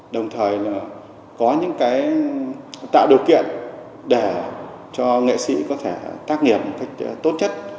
đồng thời có những tạo điều kiện để các nghệ sĩ có thể tác nghiệp tốt chất